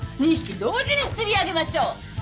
２匹同時に釣り上げましょう。